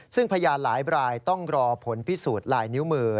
ซึ่งพยานหลายรายต้องรอผลพิสูจน์ลายนิ้วมือ